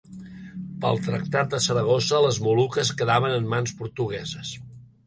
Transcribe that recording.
Pel Tractat de Saragossa, les Moluques quedaven en mans portugueses.